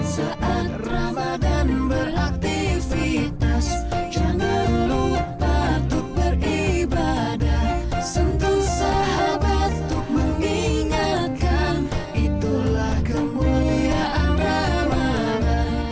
saat ramadhan beraktifitas jangan lupa untuk beribadah sentuh sahabat untuk mengingatkan itulah kemuliaan ramadhan